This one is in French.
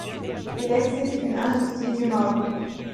Il existe une industrie du meuble.